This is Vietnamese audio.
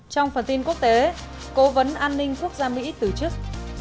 trong phần tin quốc tế cố vấn an ninh quốc gia mỹ từ chức